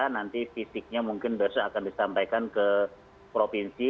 nanti fisiknya mungkin baru saja akan disampaikan ke provinsi